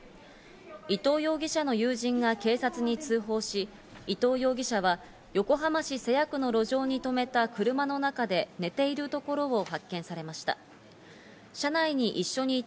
伊藤容疑者の友人が警察に通報し、伊藤容疑者は横浜市瀬谷区の路上にとめた車の中で寝ているところを発見されました。